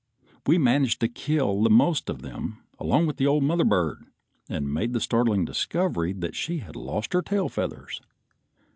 We managed to kill the most of them along with the old mother bird, and made the startling discovery that she had lost her tail feathers.